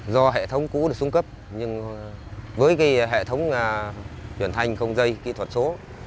do hệ thống cũ được xuống cấp nhưng với hệ thống truyền thanh không dây kỹ thuật số